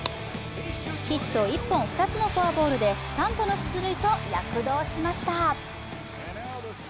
ヒット１本、２つのフォアボールで３度の出塁と躍動しました。